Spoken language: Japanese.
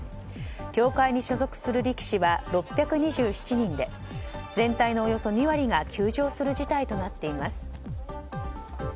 協会に所属する力士は６２７人で全体のおよそ２割が休場する事態となっています。